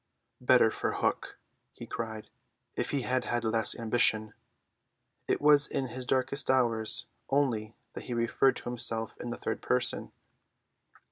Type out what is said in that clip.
"Better for Hook," he cried, "if he had had less ambition!" It was in his darkest hours only that he referred to himself in the third person.